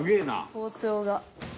包丁が。